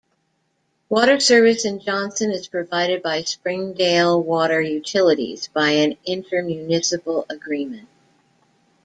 Water service in Johnson is provided by Springdale Water Utilities by an inter-municipal agreement.